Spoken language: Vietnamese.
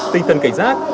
tinh thần cảnh giác